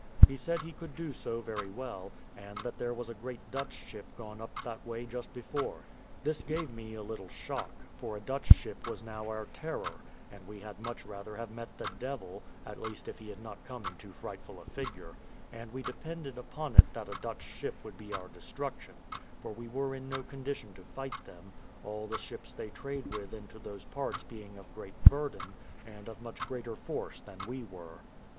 He said he could do so very well, and that there was a great Dutch ship gone up that way just before. This gave me a little shock, for a Dutch ship was now our terror, and we had much rather have met the devil, at least if he had not come in too frightful a figure; and we depended upon it that a Dutch ship would be our destruction, for we were in no condition to fight them; all the ships they trade with into those parts being of great burden, and of much greater force than we were.